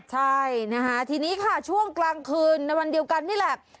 ใช่นะคะทีนี้ค่ะช่วงกลางคืนในวันเดียวกันนี่แหละ